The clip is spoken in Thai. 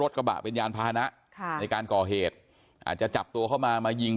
กระบะเป็นยานพานะค่ะในการก่อเหตุอาจจะจับตัวเข้ามามายิง